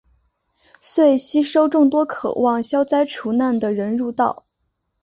遂吸收众多渴望消灾除难的人入道。